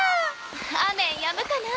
雨やむかな？